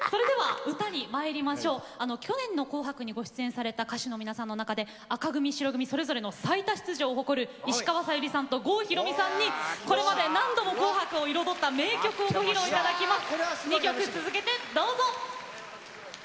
去年の「紅白」にご出演された歌手の皆さんの中で紅組、白組それぞれ最多出場を誇る石川さゆりさんと郷ひろみさんにこれまで何度も「紅白」を彩った名曲を披露していただきます。